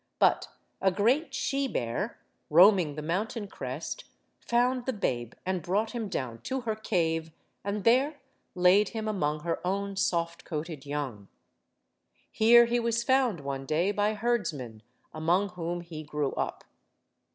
But a great she bear, roaming the mountain crest, found the babe and brought him down to her cave, and there laid him among her own soft coated young. Here he was found one day by herdsmen, among whom he grew up.